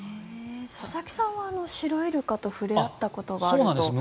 佐々木さんはシロイルカと触れ合ったことがあるということですね。